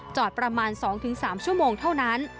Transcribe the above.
ประมาณ๒๓ชั่วโมงเท่านั้น